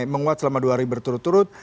menguat selama dua hari berturut turut